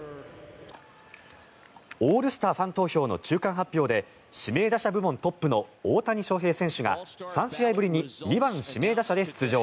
オールスターファン投票の中間発表で指名打者部門トップの大谷翔平選手が３試合ぶりに２番指名打者で出場。